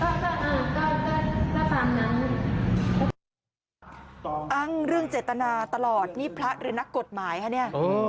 อ้างเรื่องเจตนาตลอดนี่พระหรือนักกฎหมายคะเนี่ย